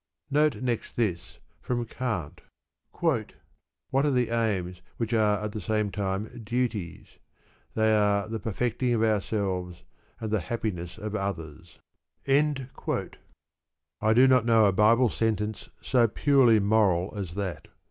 Note next this, from Kant: What are the aims which are at the same time duties? They are the perfecting of ourselves, and the happiness of others. I do not know a Bible sentence so purely moral as that.